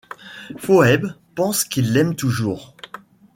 Phoebe pense qu'il l'aime toujours.